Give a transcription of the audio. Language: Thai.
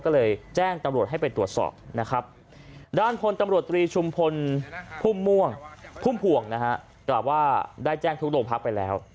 ก็เลยแจ้งตำรวจให้ไปตรวจสอบนะครับด้านพลตำรวจตรีชุมพลพุ่มม่วงพุ่มพวงนะฮะกล่าวว่าได้แจ้งทุกโรงพักไปแล้ว